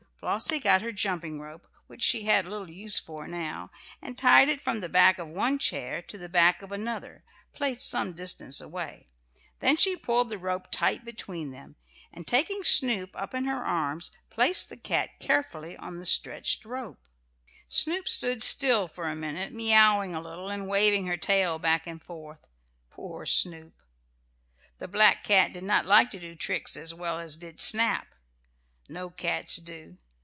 Flossie got her jumping rope, which she had little use for now, and tied it from the back of one chair to the back of another, placed some distance away. Then she pulled the rope tight between them, and, taking Snoop up in her arms, placed the cat carefully on the stretched rope. Snoop stood still for a minute, meowing a little and waving her tail back and forth. Poor Snoop! The black cat did not like to do tricks as well as did Snap. No cats do.